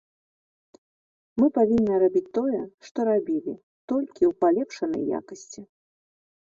Мы павінны рабіць тое, што рабілі, толькі ў палепшанай якасці.